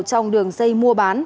trong đường dây mua bán